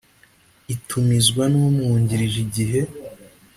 itumizwa n umwungirije Igihe